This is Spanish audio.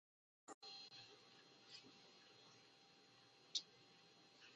Se ha visto sucedido por los consejos insulares de Ibiza y de Formentera.